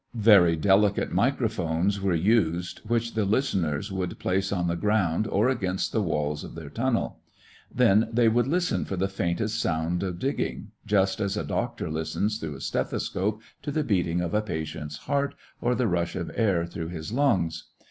Very delicate microphones were used, which the listeners would place on the ground or against the walls of their tunnel. Then they would listen for the faintest sound of digging, just as a doctor listens through a stethoscope to the beating of a patient's heart or the rush of air through his lungs.